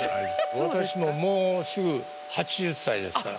私ももうすぐ８０歳ですから。